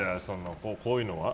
こういうのは？